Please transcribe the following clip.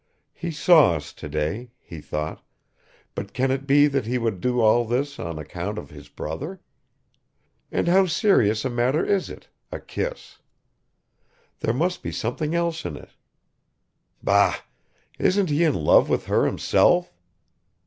"He saw us today," he thought, "but can it be that he would do all this on account of his brother? And how serious a matter is it a kiss? There must be something else in it. Bah! Isn't he in love with her himself?